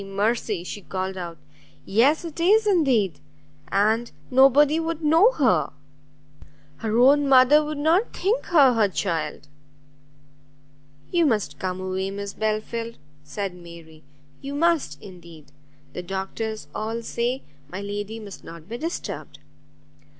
mercy!" she called out, "yes, it is indeed! and nobody would know her! her own mother would not think her her child!" "You must come away, Miss Belfield," said Mary, "you must indeed, the doctors all say my lady must not be disturbed."